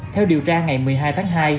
theo điều tra ngày một mươi hai tháng hai